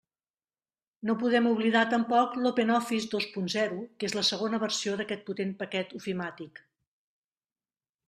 No podem oblidar tampoc l'OpenOffice dos punt zero que és la segona versió d'aquest potent paquet ofimàtic.